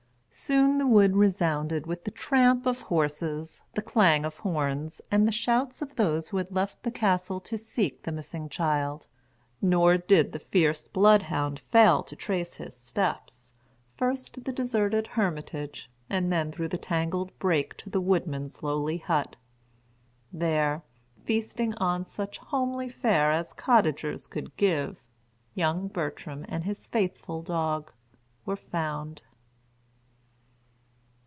Soon the wood resounded with the tramp of horses, the clang of horns, and the shouts of those who had left the castle to seek the missing child; nor did the fierce blood hound fail to trace his steps, first to the deserted hermitage, and then through the tangled brake to the woodman's lowly hut. There, feasting on such homely fare as cottagers could give, young Bertram and his faithful dog, were found.